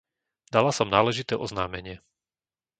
Dala som náležité oznámenie.